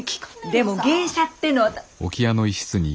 でも芸者ってえのは。